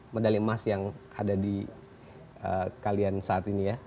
medali emas yang ada di kalian saat ini ya